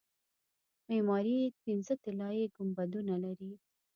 معماري یې پنځه طلایي ګنبدونه لري.